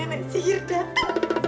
sama sama di mana ini